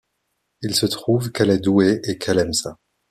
Il se trouve qu’elle est douée, et qu’elle aime ça.